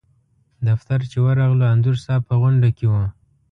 دفتر چې ورغلو انځور صاحب په غونډه کې و.